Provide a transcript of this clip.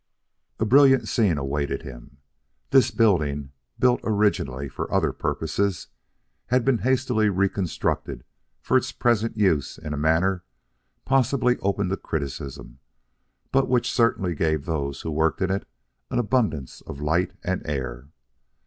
A brilliant scene awaited him. This building, built originally for other purposes, had been hastily reconstructed for its present use in a manner possibly open to criticism but which certainly gave those who worked in it an abundance of light and air.